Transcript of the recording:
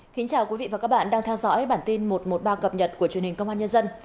xin chào quý vị và các bạn đang theo dõi bản tin một trăm một mươi ba cập nhật của truyền hình công an nhân dân